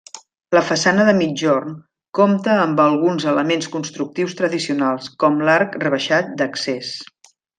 La façana de migjorn compta amb alguns elements constructius tradicionals, com l'arc rebaixat d'accés.